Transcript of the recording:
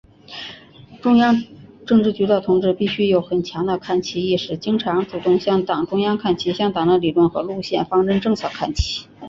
中央政治局的同志必须有很强的看齐意识，经常、主动向党中央看齐，向党的理论和路线方针政策看齐。